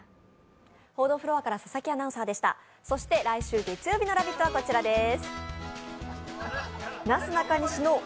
来週月曜日の「ラヴィット！」はこちらです。